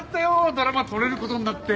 ドラマ撮れる事になって。